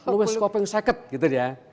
luwesko pengseket gitu dia